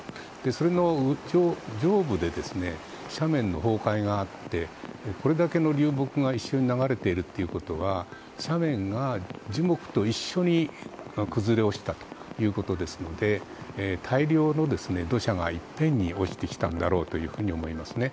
その上部で斜面の崩壊があってこれだけの流木が一緒に流れているということは斜面が樹木と一緒に崩れ落ちたということですので大量の土砂がいっぺんに落ちてきたんだろうと思いますね。